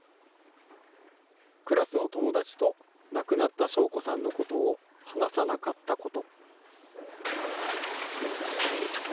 クラスの友達と亡くなった祥子さんのことを話さなかったこと。